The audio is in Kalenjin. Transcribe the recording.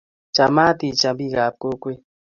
Chamaat icham biikap kokwet